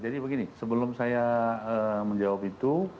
jadi begini sebelum saya menjawab itu